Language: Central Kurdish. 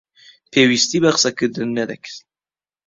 پێویستی بە قسەکردن نەدەکرد.